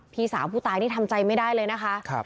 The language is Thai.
พี่สาวผู้ตายนี่ทำใจไม่ได้เลยนะคะ